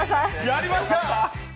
やりました！